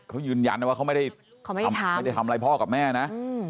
เขายืนยันนะว่าเขาไม่ได้ทำอะไรพ่อกับแม่นะ